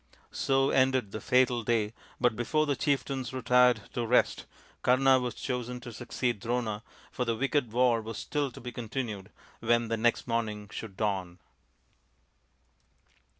So ended the fatal day, but before the chieftains retired to rest Kama was chosen to succeed Drona, for the wicked war was still to be continued when the next morning should dawn.